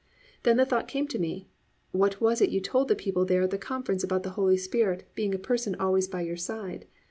Then the thought came to me, what was it you told the people there at the conference about the Holy Spirit being a Person always by our side?